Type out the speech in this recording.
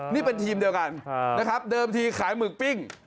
นี่เป็นทีมเดียวกันนะครับเดิมทีขายหมึกปิ้ง